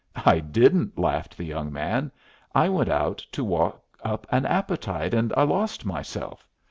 "I didn't," laughed the young man. "I went out to walk up an appetite, and I lost myself.